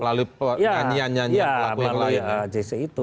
lalu nyanyian nyanyian pelakunya lain